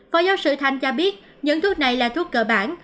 phó giáo sư thanh cho biết những thuốc này là thuốc cơ bản